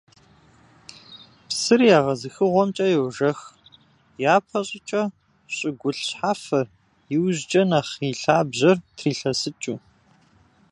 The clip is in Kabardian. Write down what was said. Псыр егъэзыхыгъуэмкӀэ йожэх, япэ щӀыкӀэ щӀыгулъ шхьэфэр, иужькӀэ нэхъ и лъабжьэр трилъэсыкӀыу.